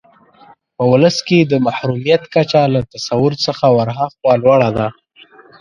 په ولس کې د محرومیت کچه له تصور څخه ورهاخوا لوړه ده.